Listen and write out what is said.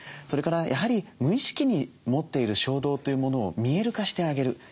それからやはり無意識に持っている衝動というものを「見える化」してあげる。